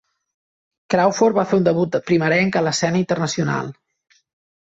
Crawford va fer un debut primerenc a l'escena internacional.